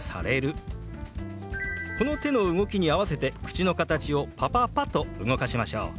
この手の動きに合わせて口の形を「パパパ」と動かしましょう。